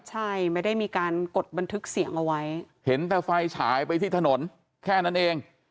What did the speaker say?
ใช่ไม่ได้มีการกดบันทึกเสียงเอาไว้เห็นแต่ไฟฉายไปที่ถนนแค่นั้นเอง